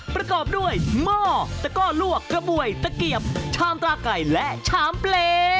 ประกอบด้วยหม้อตะก้อลวกกระบวยตะเกียบชามตราไก่และชามเปล